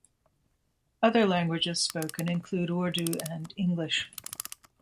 Other languages spoken include Urdu and English.